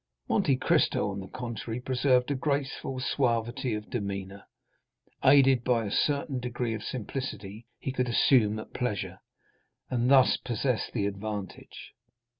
Monte Cristo on the contrary, preserved a graceful suavity of demeanor, aided by a certain degree of simplicity he could assume at pleasure, and thus possessed the advantage.